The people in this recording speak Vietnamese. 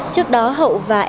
trước đó hậu và em gà